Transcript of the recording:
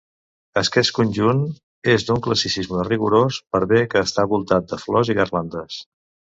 Aquest conjunt és d'un classicisme rigorós per bé que està voltat de flors i garlandes.